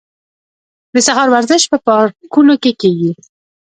د سهار ورزش په پارکونو کې کیږي.